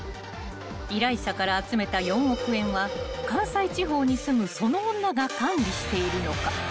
［依頼者から集めた４億円は関西地方に住むその女が管理しているのか］